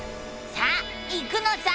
さあ行くのさ！